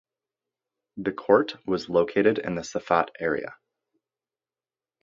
The court was located in the Safat area.